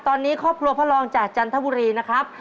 ตอนนี้ครอบครัวพ่อรองจากจันทบุรีนะครับ